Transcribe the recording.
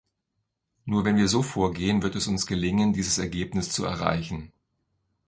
Nur wenn wir so vorgehen, wird es uns gelingen, dieses Ergebnis zu erreichen.